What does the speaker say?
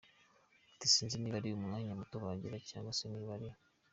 Ati “Sinzi niba ari umwanya muto bagira cyangwa se niba ari….